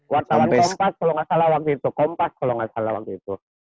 wartawan kompas kalau nggak salah waktu itu